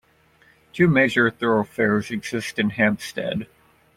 Two major thoroughfares exist in Hampstead.